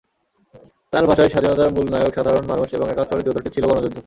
তাঁর ভাষায়, স্বাধীনতার মূল নায়ক সাধারণ মানুষ এবং একাত্তরের যুদ্ধটি ছিল গণযুদ্ধ।